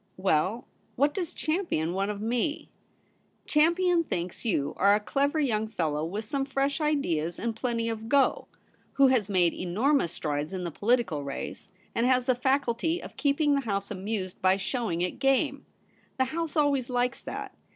' Well, what does Champion want of me ?'* Champion thinks you are a clever young fellow, with some fresh ideas and plenty of ISO THE REBEL ROSE. gOj who has made enormous strides in the poHtical race, and has the faculty of keeping the House amused by showing it game. The House always likes that.